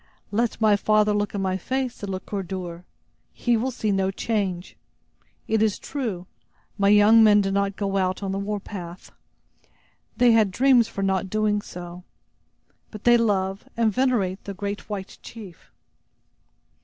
"Let my father look in my face," said Le Coeur dur; "he will see no change. It is true, my young men did not go out on the war path; they had dreams for not doing so. But they love and venerate the great white chief."